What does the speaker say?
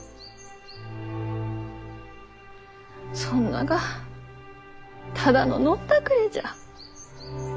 そんながただの飲んだくれじゃ。